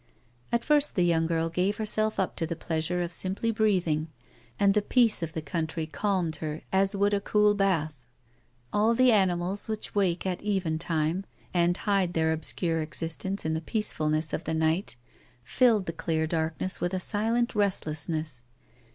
At first the young girl gave herself up to the pleasure of simply breathing, and the peace of the country calmed her as would a cool bath. All the animals which wake at evening time, and hide their obscure existence in the peacefulness of the night, filled the clear darkness with a silent restlessness.